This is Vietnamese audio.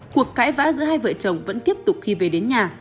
cuộc cãi vã giữa hai vợ chồng vẫn tiếp tục khi về đến nhà